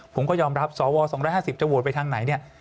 ผมก็ยอมรับสว๒๕๐จะโหวตไปทางไหนเนี่ย